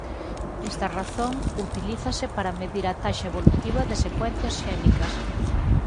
Esta razón utilízase para medir a taxa evolutiva de secuencias xénicas.